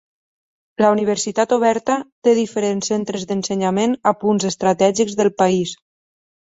La Universitat Oberta té diferents centres d'ensenyament a punts estratègics del país.